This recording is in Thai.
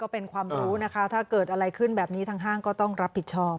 พวกค่าทำฝันนี้ครับ